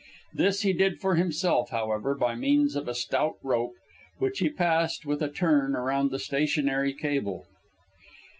This he did for himself, however, by means of a stout rope, which he passed, with a turn, round the stationary cable.